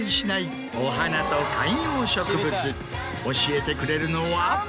教えてくれるのは。